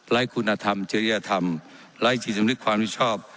ไล้คุณธรรมเจริยธรรมไล้จีนสมุทรความวิชาพ